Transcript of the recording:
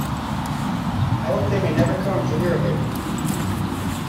I hope they may never come to hear of it.